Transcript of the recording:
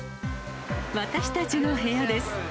私たちの部屋です。